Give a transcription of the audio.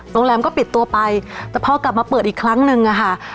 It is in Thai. โรงแรมก็ปิดตัวไปแต่พอกลับมาเปิดอีกครั้งนึงอะค่ะ